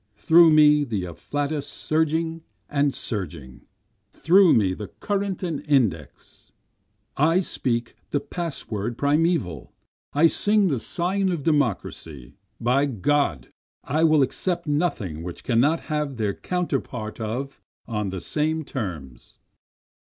Through me the afflatus surging and surging, through me the current and index. I speak the pass word primeval, I give the sign of democracy, By God! I will accept nothing which all cannot have their counterpart of on the same terms.